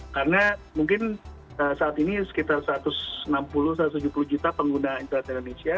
karena mungkin saat ini sekitar satu ratus enam puluh satu ratus tujuh puluh juta pengguna internet di indonesia